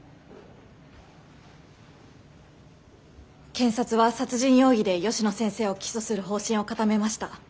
検察は殺人容疑で吉野先生を起訴する方針を固めました。